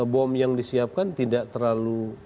bom yang disiapkan tidak terlalu